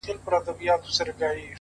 نوره سپوږمۍ راپسي مه ږغـوه،